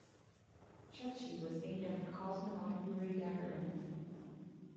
Chechi was named after cosmonaut Yuri Gagarin.